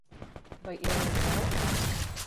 Vai ieliet vēl?